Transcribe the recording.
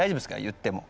言っても。